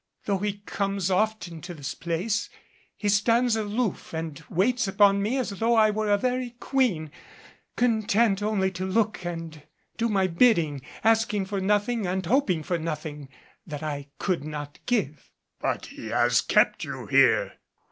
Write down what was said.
Though he comes often to this place, he stands aloof and waits upon me as though I were a very queen, content only to look and do my bidding; asking for nothing and hoping for nothing that I could not give." "But he has kept you here!"